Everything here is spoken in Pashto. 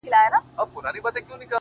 څنگه دي زړه څخه بهر وباسم،